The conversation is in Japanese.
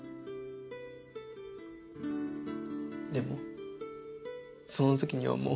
でもその時にはもう。